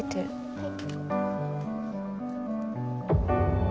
はい。